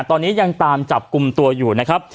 ตอนนี้ยังตามจับกลุ่มตัวอยู่นะครับ